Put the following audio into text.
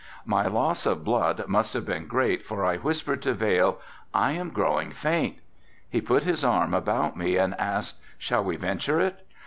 My loss of blood must have been great for I whispered to Vail, "I am growing faint." He put his arm about me and asked, "Shall we venture it?"